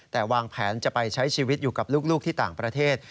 แต่วางแผนจะไปใช้ชีวิตอยู่กับลูกที่ต่างประเทศ